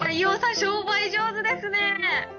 商売上手ですね。